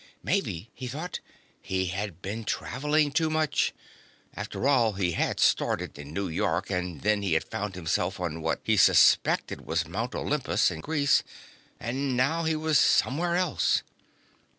Maybe, he thought, he had been traveling too much. After all, he had started in New York, and then he had found himself on what he suspected was Mount Olympus, in Greece. And now he was somewhere else.